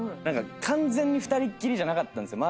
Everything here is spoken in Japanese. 完全に２人っきりじゃなかったんですよ。